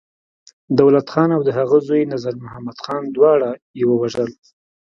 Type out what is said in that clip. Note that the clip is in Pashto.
دولت خان او د هغه زوی نظرمحمد خان، دواړه يې ووژل.